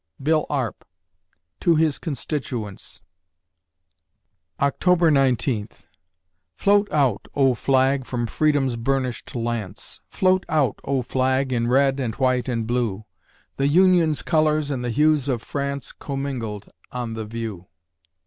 "BILL ARP" (To His Constituents) October Nineteenth Float out, oh flag, from Freedom's burnished lance. Float out, oh flag, in Red and White and Blue! The Union's colors and the hues of France Commingled on the view!